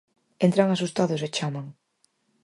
Entran asustados e chaman: